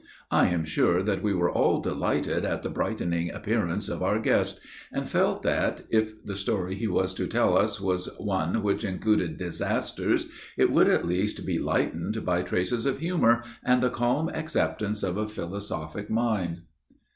I am sure that we were all delighted at the brightening appearance of our guest, and felt that, if the story he was to tell us was one which included disasters, it would at least be lightened by traces of humor and the calm acceptance of a philosophic mind.